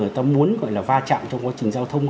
ta muốn gọi là va chạm trong quá trình giao thông